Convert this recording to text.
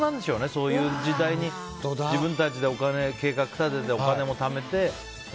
そういう時代に自分たちで計画を立ててお金もためて。